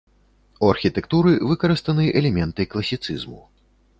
У архітэктуры выкарыстаны элементы класіцызму.